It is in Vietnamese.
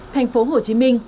thành phố hồ chí minh